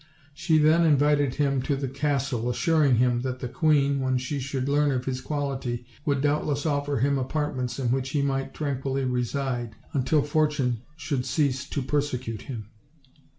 She then invited him to the castle, assuring him that the queen, when she should learn his quality, would doubt less offer him apartments in which he might tranquilly reside, until fortune should cease to persecute him.